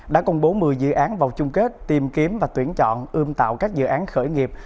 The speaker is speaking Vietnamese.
đã công bố một mươi dự án vào chung kết tìm kiếm và tuyển chọn ươm tạo các dự án khởi nghiệp